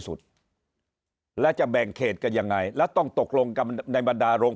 สุดแล้วจะแบ่งเขตกันยังไงแล้วต้องตกลงกันในบรรดาโรง